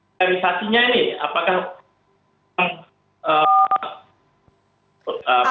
militerisasinya ini apakah